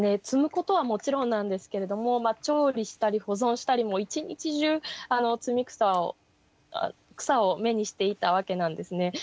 摘むことはもちろんなんですけれども調理したり保存したりもう一日中摘草を草を目にしていたわけなんですね。